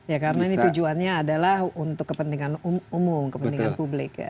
ya karena ini tujuannya adalah untuk kepentingan umum kepentingan publik ya